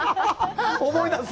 思い出す？